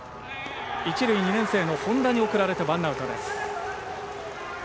一塁、２年生の本田に送られてワンアウトです。